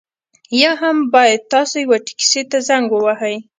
یا هم باید تاسو یوه ټکسي ته زنګ ووهئ